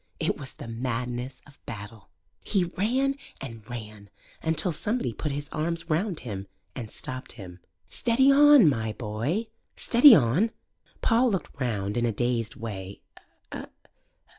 It was the madness of battle. He ran and ran, until somebody put his arms round him and stopped him. "Steady on, my boy steady on!" Paul looked round in a dazed way.